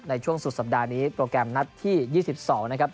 ในช่วงสุดสัปดาห์นี้โปรแกรมนัดที่๒๒นะครับ